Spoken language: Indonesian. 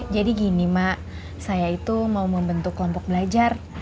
jadi gini mak saya itu mau membentuk kelompok belajar